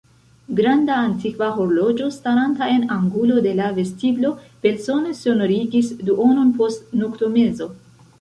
Granda, antikva horloĝo, staranta en angulo de la vestiblo, belsone sonorigis duonon post noktomezo.